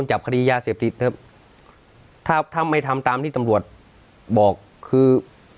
จับคดียาเสพติดเถอะถ้าถ้าไม่ทำตามที่ตำรวจบอกคือ